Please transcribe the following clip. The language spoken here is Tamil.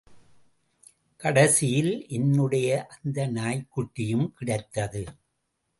கடைசியில் என்னுடைய அந்த நாய்க்குட்டியும் கிடைத்தது.